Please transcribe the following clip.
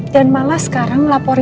dan malah sekarang laporin andi